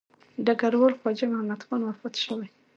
ډګروال خواجه محمد خان وفات شوی.